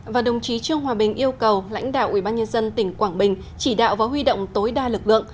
và đồng chí trương hòa bình yêu cầu lãnh đạo ủy ban nhân dân tỉnh quảng bình chỉ đạo và huy động tối đa lực lượng